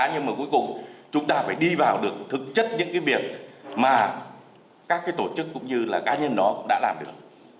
nhưng mà cuối cùng chúng ta phải đi vào được thực chất những cái việc mà các cái tổ chức cũng như là cá nhân đó cũng đã làm được